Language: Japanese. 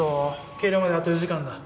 計量まであと４時間だ。